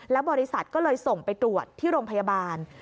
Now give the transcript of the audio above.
บริษัทก็เลยส่งไปตรวจที่โรงพยาบาล